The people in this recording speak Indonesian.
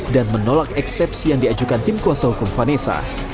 menolak eksepsi yang diajukan tim kuasa hukum vanessa